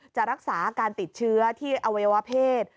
จะรักษาการติดเชื้อที่อวัยวะเพศ